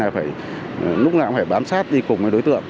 phải lúc nào cũng phải bám sát đi cùng với đối tượng